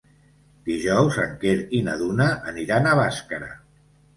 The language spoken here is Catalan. Dijous en Quer i na Duna aniran a Bàscara.